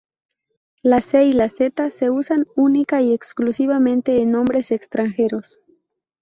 La C y Z se usan única y exclusivamente en nombres extranjeros.